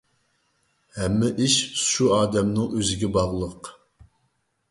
ھەممە ئىش شۇ ئادەمنىڭ ئۆزىگە باغلىق.